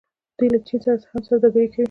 دوی له چین سره هم سوداګري کوي.